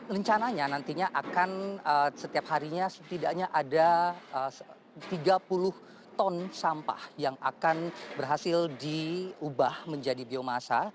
rencananya nantinya akan setiap harinya setidaknya ada tiga puluh ton sampah yang akan berhasil diubah menjadi biomasa